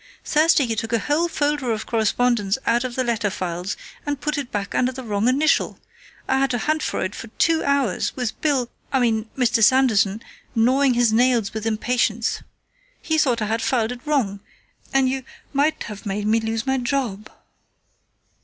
Thursday you took a whole folder of correspondence out of the letter files and put it back under the wrong initial. I had to hunt for it for two hours, with Bill I mean, Mr. Sanderson gnawing his nails with impatience. He thought I had filed it wrong, and you might have made me lose my job."